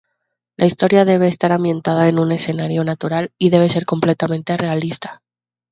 La historia debe estar ambientada en un escenario natural y debe ser completamente realista.